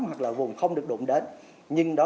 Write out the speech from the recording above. hoặc là vùng không được đụng đến nhưng đó